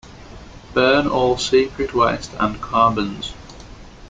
Burn all secret waste and carbons.